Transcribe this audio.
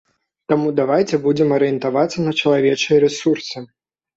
Таму давайце будзем арыентаваць на чалавечыя рэсурсы.